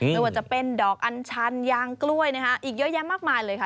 ไม่ว่าจะเป็นดอกอัญชันยางกล้วยนะคะอีกเยอะแยะมากมายเลยค่ะ